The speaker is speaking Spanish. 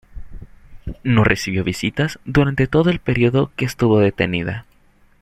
No recibió visitas durante todo el periodo que estuvo detenida.